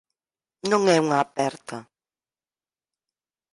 Non é unha aperta.